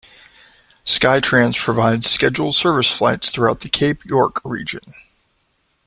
Skytrans provides scheduled service flights throughout the Cape York Region.